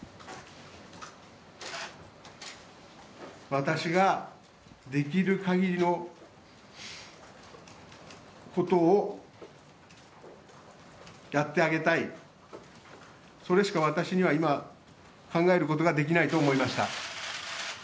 私が、できるかぎりのことをやってあげたいそれしか私には今、考えることができないと思いました。